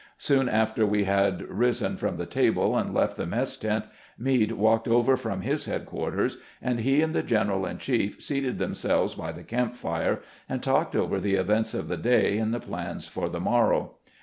Soon after we had risen from the table and left the mess tent, Meade walked over from his headquarters, and he and the general in chief seated themselves by the camp fire, and talked over the events of the day and the plans for the morrow.